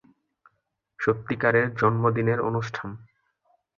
সত্যিকারের জন্মদিনের অনুষ্ঠান।